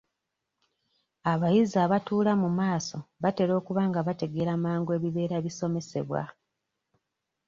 Abayizi abatuula mu maaso batera okuba nga bategeera mangu ebibeera bisomesebwa.